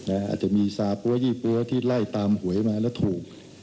อาจจะมีซาปั๊วยี่ปั๊วที่ไล่ตามหวยมาแล้วถูก